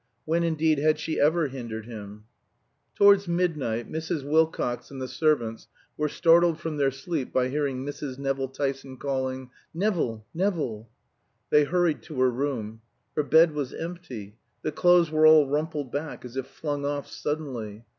When, indeed, had she ever hindered him? Towards midnight Mrs. Wilcox and the servants were startled from their sleep by hearing Mrs. Nevill Tyson calling "Nevill, Nevill!" They hurried to her room; her bed was empty; the clothes were all rumpled back as if flung off suddenly.